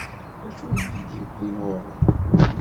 D acu i k-id-iwwin ɣur-i?